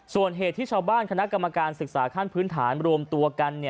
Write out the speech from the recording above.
ส่วนเหตุที่ชาวบ้านคณะกรรมการศึกษาขั้นพื้นฐานรวมตัวกัน